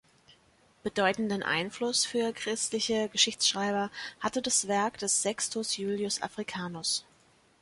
Bedeutenden Einfluss für christliche Geschichtsschreiber hatte das Werk des Sextus Iulius Africanus.